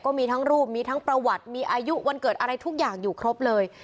ก็มีทั้งรูปมีทั้งประวัติมีอายุวันเกิดอะไรทุกอย่างอยู่ครบเลย